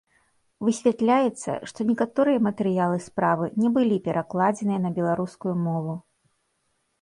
Высвятляецца, што некаторыя матэрыялы справы не былі перакладзеныя на беларускую мову.